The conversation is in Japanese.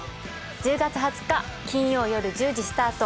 １０月２０日金曜夜１０時スタート